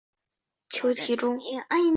求其中